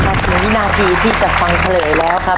มาถึงวินาทีที่จะฟังเฉลยแล้วครับ